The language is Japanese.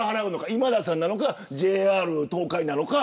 今田さんなのか、ＪＲ東海なのか